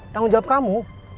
tanggung jawab kamu